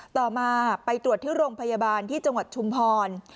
ต่อมาไปตรวจที่โรงพยาบาลที่จังหวัดชุมพร